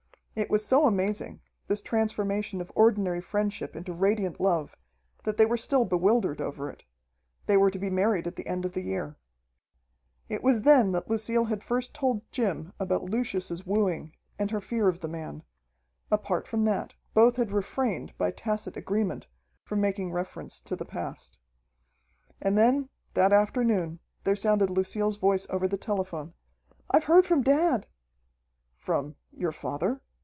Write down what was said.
It was so amazing, this transformation of ordinary friendship into radiant love, that they were still bewildered over it. They were to be married at the end of the year. It was then that Lucille had first told Jim about Lucius's wooing, and her fear of the man. Apart from that, both had refrained, by tacit agreement, from making reference to the past. And then, that afternoon, there sounded Lucille's voice over the telephone, "I've heard from dad!" "From your father?